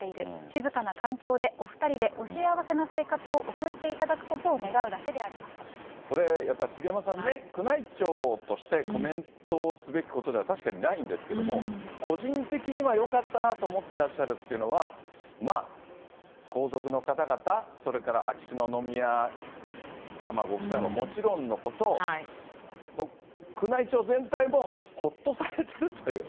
静かな環境で、お２人でお幸せな生活を送っていただくことこれ、やっぱり杉山さんね、宮内庁としてコメントすべきことでは、確かにないんですけども、個人的にはよかったなと思ってらっしゃるというのは、まあ、皇族の方々、それから秋篠宮さまご夫妻はもちろんのこと、宮内庁全体もほっとされてるという。